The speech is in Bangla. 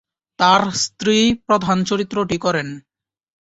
তার স্ত্রী প্রধান চরিত্রটি করেন।